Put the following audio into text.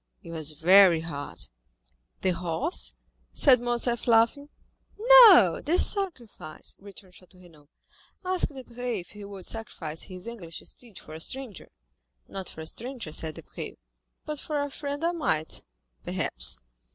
It was very hard." "The horse?" said Morcerf, laughing. "No, the sacrifice," returned Château Renaud; "ask Debray if he would sacrifice his English steed for a stranger?" "Not for a stranger," said Debray, "but for a friend I might, perhaps."